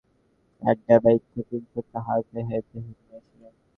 আন্ডা বেইচ্চা তিনশো টাহা দেনা দেছে মানষেরে।